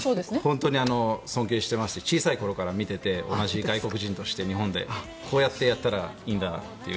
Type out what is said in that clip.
本当に尊敬してまして小さいころから見ていて同じ外国人として日本で、こうやってやったらいいんだなっていう。